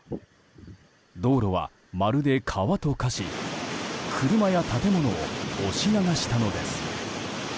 道路は、まるで川と化し車や建物を押し流したのです。